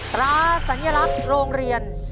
ตราสัญลักษณ์โรงเรียน